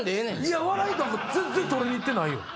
笑い全然取りに行ってないよ。